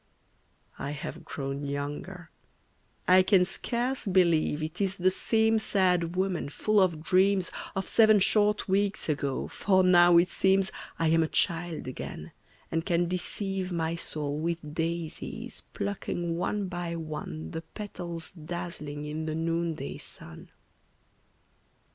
I have grown younger; I can scarce believe It is the same sad woman full of dreams Of seven short weeks ago, for now it seems I am a child again, and can deceive My soul with daisies, plucking one by one The petals dazzling in the noonday sun.